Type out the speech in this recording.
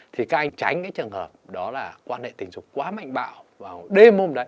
thì các anh tránh cái trường hợp đó là quan hệ tình dục quá mạnh bạo vào đêm hôm đấy